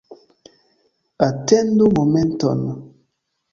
Atendu momenton.